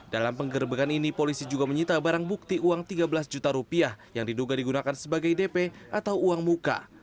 dalam penggerbekan ini polisi juga menyita barang bukti uang tiga belas juta rupiah yang diduga digunakan sebagai dp atau uang muka